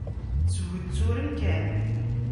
Shutturen kan.